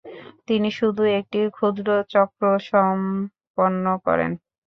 তিনি শুধু একটি ক্ষুদ্র চক্র সম্পন্ন করেন।